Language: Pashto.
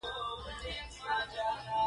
_پياله دې ډکه ده.